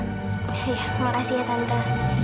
ya makasih ya tante